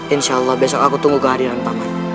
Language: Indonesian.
insyaallah besok aku tunggu ke hadiran paman